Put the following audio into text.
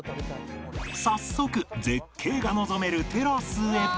早速絶景が望めるテラスへ！